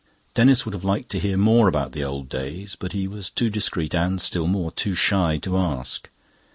Denis would have liked to hear more about the Old Days. But he was too discreet and, still more, too shy to ask.